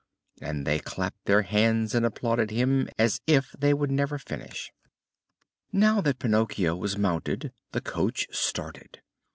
and they clapped their hands and applauded him as if they would never finish. Now that Pinocchio was mounted, the coach started.